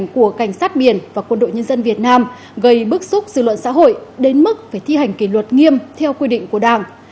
cảnh sát biển và quân đội nhân dân việt nam gây bức xúc dư luận xã hội đến mức phải thi hành kỷ luật nghiêm theo quy định của đảng